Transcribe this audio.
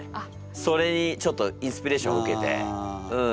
それにちょっとインスピレーションを受けてうん